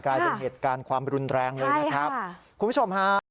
กลายเป็นเหตุการณ์ความรุนแรงเลยนะครับคุณผู้ชมฮะ